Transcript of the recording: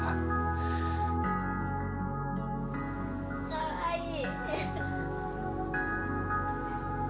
かわいい。